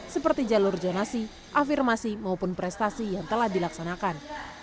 seperti jalur zonasi afirmasi maupun prestasi yang telah dilaksanakan